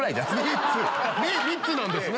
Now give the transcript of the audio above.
メイン３つなんですね。